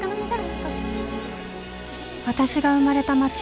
私が生まれた街